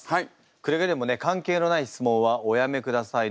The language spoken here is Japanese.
くれぐれもね関係のない質問はおやめくださいね。